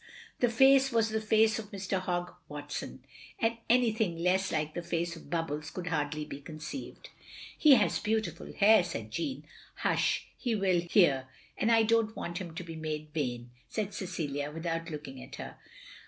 the face was the face of Mr. Hogg Watson, and anything less like the face of Bubbles could hardly be conceived. " He has beautiful hair, " said Jeanne. " Hush, he will hear, and I don't want him to be made vain," said Cecilia, without looking at her.